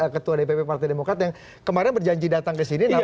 ketua dpp partai demokrat yang kemarin berjanji datang kesini